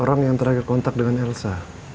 orang yang terakhir kontak dengan elsa